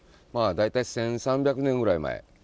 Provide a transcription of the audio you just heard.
大体１，３００年ぐらい前。